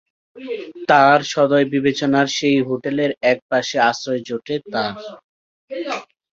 তাঁর সদয় বিবেচনায় সেই হোটেলের এক পাশে আশ্রয় জোটে তাঁর।